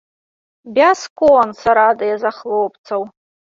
Бясконца радыя за хлопцаў!